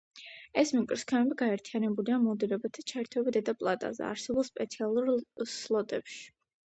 ეს მიკროსქემები გაერთიანებულია მოდულებად და ჩაირთვება დედა პლატაზე არსებულ სპეციალურ სლოტებში.